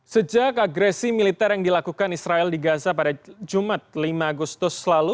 sejak agresi militer yang dilakukan israel di gaza pada jumat lima agustus lalu